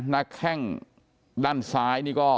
แข้งด้านซ้ายนี่ก็